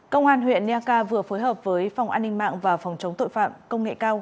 công an huyện niaca vừa phối hợp với phòng an ninh mạng và phòng chống tội phạm công nghệ cao